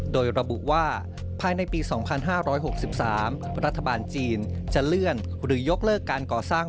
โดยระบุว่าภายในปี๒๕๖๓รัฐบาลจีนจะเลื่อนหรือยกเลิกการก่อสร้าง